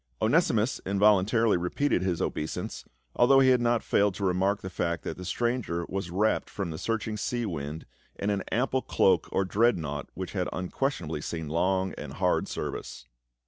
* Onesimus involuntarily repeated his obeisance, although he had not failed to remark the fact that the stranger was wrapped from the searching sea wind in an ample cloak or dread naught which had unquestionably seen long and hard service.